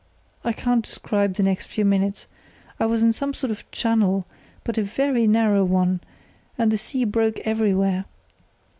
I can't describe the next few minutes. I was in some sort of channel, but a very narrow one, and the sea broke everywhere.